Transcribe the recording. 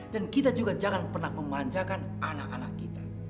dan kita juga jangan pernah memanjakan anak anak kita